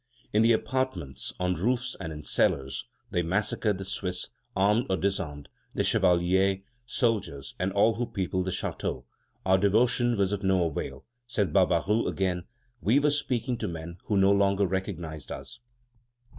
In the apartments, on roofs, and in cellars, they massacred the Swiss, armed or disarmed, the chevaliers, soldiers, and all who peopled the chateau.... Our devotion was of no avail," says Barbaroux again; "we were speaking to men who no longer recognized us."